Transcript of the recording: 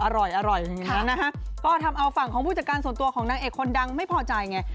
อร่อยอร่อยอย่างนี้นะฮะก็ทำเอาฝั่งของผู้จัดการส่วนตัวของนางเอกคนดังไม่พอใจไง